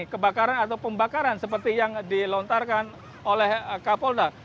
kebakaran atau pembakaran seperti yang dilontarkan oleh kapolda